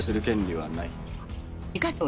はい。